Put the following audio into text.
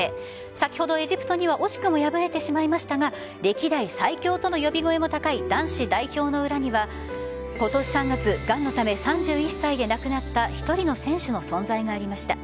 先ほど、エジプトには惜しくも敗れてしまいましたが歴代最強との呼び声も高い男子代表の裏には今年３月がんのため、３１歳で亡くなった１人の選手の存在がありました。